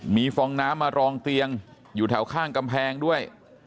มีฟองน้ำมารองเตียงอยู่แถวข้างกำแพงด้วย